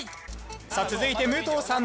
さあ続いて武藤さん。